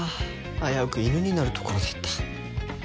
危うく犬になるところだった。